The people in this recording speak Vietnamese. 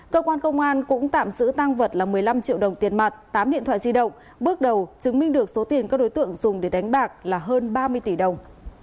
cơ quan công an cũng tạm giữ tăng vật là một mươi năm triệu đồng tiền mặt tám điện thoại di động bước đầu chứng minh được số tiền các đối tượng dùng để đánh bạc là hơn ba mươi tỷ đồng